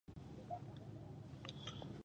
د کاري شرایطو لپاره نویو مقرراتو وضعه کول اړین دي.